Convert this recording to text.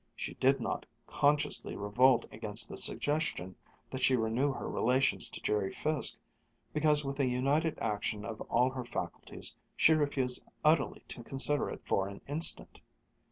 She did not consciously revolt against the suggestion that she renew her relations to Jerry Fiske, because with a united action of all her faculties she refused utterly to consider it for an instant.